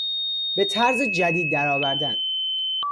به طرز جدید در آوردن